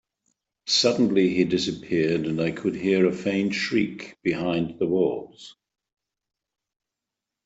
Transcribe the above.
Suddenly, he disappeared, and I could hear a faint shriek behind the walls.